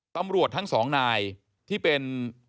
ตำรวจทั้งสองนายที่เป็น